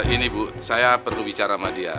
ini bu saya perlu bicara sama dia